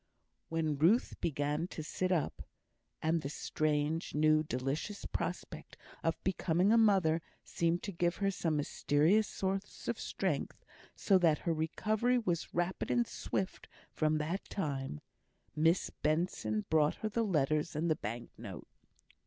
When Ruth began to sit up (and the strange, new, delicious prospect of becoming a mother seemed to give her some mysterious source of strength, so that her recovery was rapid and swift from that time), Miss Benson brought her the letters and the bank note.